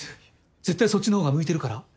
絶対そっちの方が向いてるから。